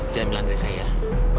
jangan jalan dari saya ya